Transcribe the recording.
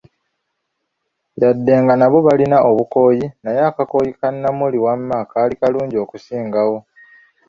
Yadde nga nabo balina obukooyi, naye akakooyi ka Namuli wama kaali kalungi okusingawo!